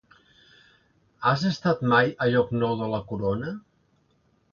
Has estat mai a Llocnou de la Corona?